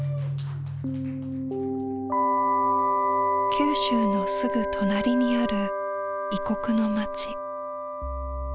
九州のすぐ隣にある異国の町。